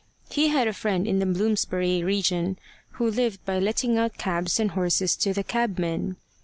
He had a friend in the Bloomsbury region, who lived by letting out cabs and horses to the cabmen.